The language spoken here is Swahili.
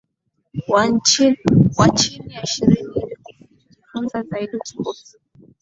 wa chini ya ishirini Ili kujifunza zaidi kuhusu